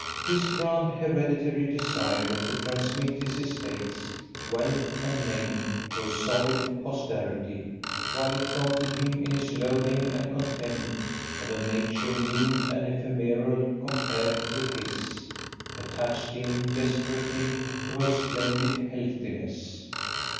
His grand hereditary desire to transmit his estates, wealth and name to a solid posterity, while it prompted him in his loathing and contempt of a nature mean and ephemeral compared with his, attached him desperately to her splendid healthiness.